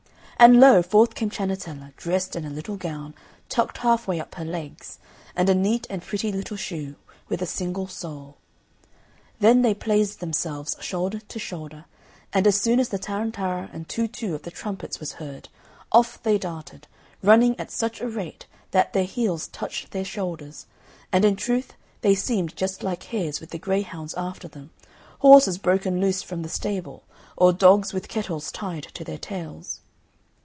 And lo! forth came Ciannetella, dressed in a little gown, tucked half way up her legs, and a neat and pretty little shoe with a single sole. Then they placed themselves shoulder to shoulder, and as soon as the tarantara and too too of the trumpets was heard, off they darted, running at such a rate that their heels touched their shoulders, and in truth they seemed just like hares with the grey hounds after them, horses broken loose from the stable, or dogs with kettles tied to their tails.